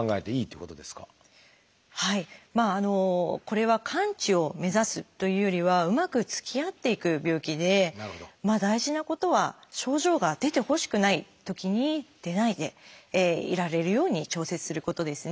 まあこれは完治を目指すというよりはうまくつきあっていく病気で大事なことは症状が出てほしくないときに出ないでいられるように調節することですね。